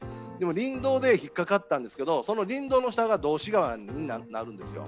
林道でひっかかったんですけどその林道の下が道志川になるんですよ。